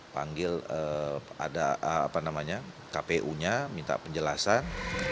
panggil ada kpu nya minta penjelasan